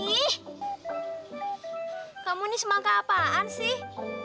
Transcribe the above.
ih kamu ini semangat apaan sih